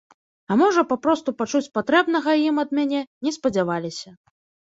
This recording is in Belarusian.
А можа, папросту пачуць патрэбнага ім ад мяне не спадзяваліся.